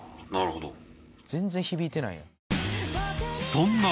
全然響いてないやん。